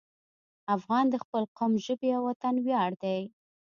افغان د خپل قوم، ژبې او وطن ویاړ دی.